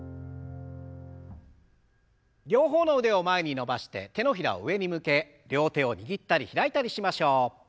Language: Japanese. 両方の腕を前に伸ばして手のひらを上に向け両手を握ったり開いたりしましょう。